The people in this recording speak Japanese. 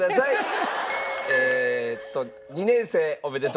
えーっと。